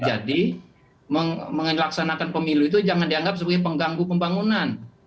jadi melaksanakan pemilu itu jangan dianggap sebagai pengganggu pembangunan